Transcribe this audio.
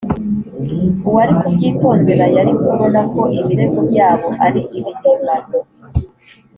uwari kubyitondera yari kubona ko ibirego byabo ari ibihimbano